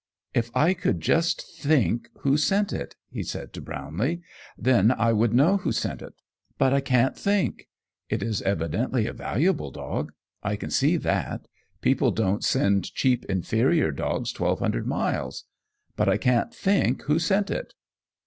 "If I could just think who sent it," he said to Brownlee, "then I would know who sent it; but I can't think. It is evidently a valuable dog. I can see that. People don't send cheap, inferior dogs twelve hundred miles. But I can't think who sent it."